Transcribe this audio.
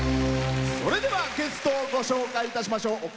それではゲストをご紹介いたしましょう。